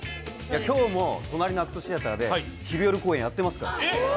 今日も隣のアクトシアターで公演やってますから。